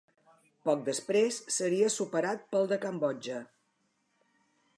Poc després seria superat pel de Cambodja.